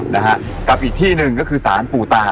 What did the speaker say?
นะฮะกับอีกที่หนึ่งก็คือสารปู่ตา